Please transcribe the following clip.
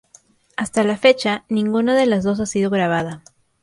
Hasta la fecha, ninguna de las dos ha sido grabada.